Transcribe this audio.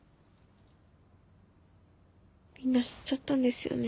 みんな知っちゃったんですよね